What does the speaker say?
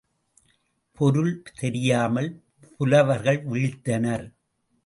பொருள் தெரியாமல் புலவர்கள் விழித்தனர்.